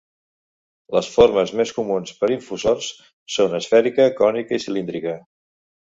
Les formes més comuns pels infusors són esfèrica, cònica i cilíndrica.